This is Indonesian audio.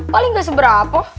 paling gak seberapa